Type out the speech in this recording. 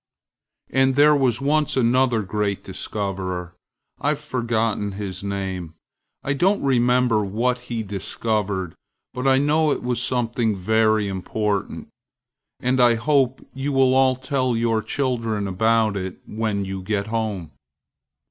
And there was once another great discovererâI've forgotten his name, and I don't remember what he discovered, but I know it was something very important, and I hope you will all tell your children about it when you get home.